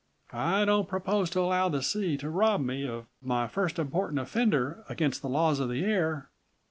I don't propose to allow the sea to rob me of my first important offender against the laws of the air."